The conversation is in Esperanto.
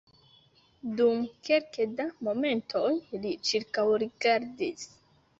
Dum kelke da momentoj li ĉirkaŭrigardis.